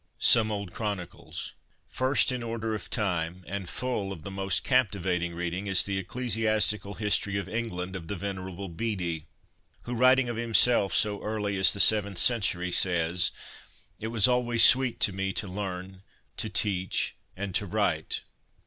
Some old Chronicles. First in order of time, and full of the most captivating reading, is the Ecclesias tical History of England^ of the Venerable Bede, who, 1 See Appendix A. LESSONS AS INSTRUMENTS OF EDUCATION 283 writing of himself so early as the seventh century, says, " It was always sweet to me to learn, to teach, and to write."